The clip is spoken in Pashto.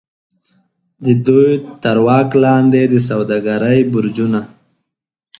د دوی تر واک لاندې د سوداګرۍ برجونو.